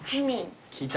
聞いた？